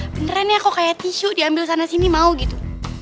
beneran ya kok kayak tisu diambil sana sini mau gitu